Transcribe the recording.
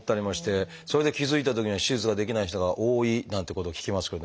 それで気付いたときには手術ができない人が多いなんてことを聞きますけど。